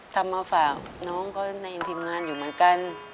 ทำมาฝากน้องเขาในทีมงานอยู่เหมือนกัน